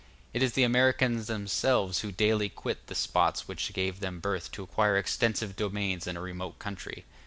It is the Americans themselves who daily quit the spots which gave them birth to acquire extensive domains in a remote country.